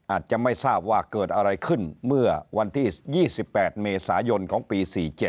อาจจะไม่ทราบว่าเกิดอะไรขึ้นเมื่อวันที่๒๘เมษายนของปี๔๗